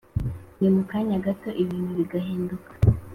ni mu kanya gato ibintu bigahinduka